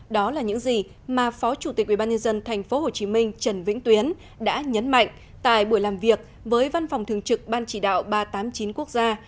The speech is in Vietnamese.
đó là những gì mà phó chủ tịch ubnd tp hcm trần vĩnh tuyến đã nhấn mạnh tại buổi làm việc với văn phòng thường trực ban chỉ đạo ba trăm tám mươi chín quốc gia